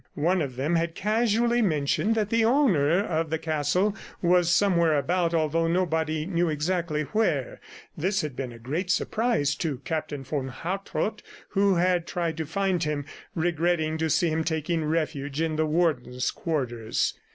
One of them had casually mentioned that the owner of the castle was somewhere about although nobody knew exactly where. This had been a great surprise to Captain von Hartrott who had tried to find him, regretting to see him taking refuge in the Warden's quarters.